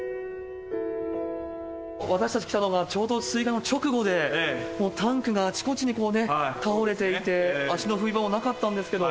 私たち来たのが、ちょうど水害の直後で、もうタンクがあちこちにこう、倒れていて、足の踏み場もなかったんですけど。